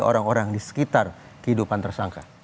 orang orang di sekitar kehidupan tersangka